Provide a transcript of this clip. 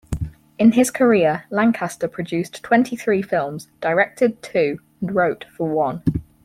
In his career, Lancaster produced twenty-three films, directed two and wrote for one.